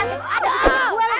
eh eh eh masalah gue